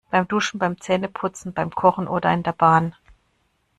Beim Duschen, beim Zähneputzen, beim Kochen oder in der Bahn.